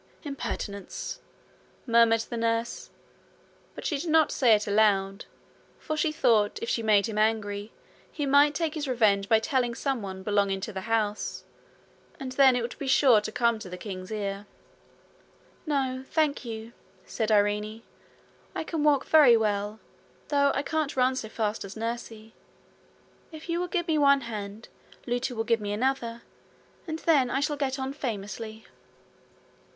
'Impertinence!' murmured the nurse, but she did not say it aloud, for she thought if she made him angry he might take his revenge by telling someone belonging to the house, and then it would be sure to come to the king's ears. 'No, thank you,' said Irene. 'I can walk very well, though I can't run so fast as nursie. If you will give me one hand, Lootie will give me another, and then I shall get on famously.'